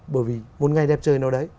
bởi vì một ngày đẹp trời nào đấy